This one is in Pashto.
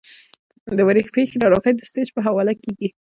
د ورپېښې ناروغۍ د سټېج پۀ حواله کيږي -